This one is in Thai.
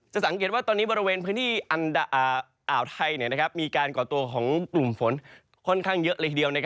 สังเกตว่าตอนนี้บริเวณพื้นที่อ่าวไทยมีการก่อตัวของกลุ่มฝนค่อนข้างเยอะเลยทีเดียว